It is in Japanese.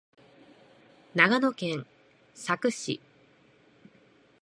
長野県佐久市